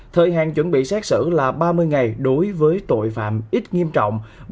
thời hạn chuẩn bị xét xử là ba mươi ngày đối với tội phạm ít nghiêm trọng